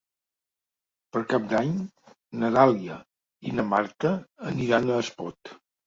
Per Cap d'Any na Dàlia i na Marta aniran a Espot.